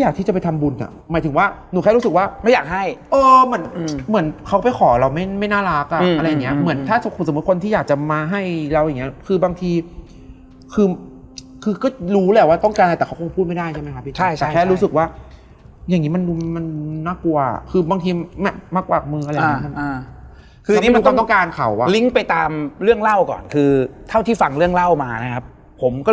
อย่างน้อยเราก็รู้จักสมมุติผิดขอโทษ